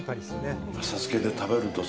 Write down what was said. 浅漬けで食べるとさ。